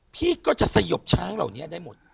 พี่ก็จะสยบช้างเหล่านี้ได้หมด